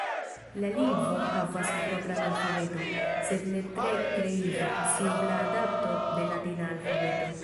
La lingvo havas propran alfabeton, sed ne tre kreiva, simpla adapto de latina alfabeto.